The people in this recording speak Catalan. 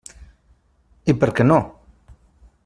I per què no?